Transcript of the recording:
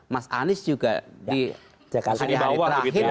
mas anies juga di hari hari terakhir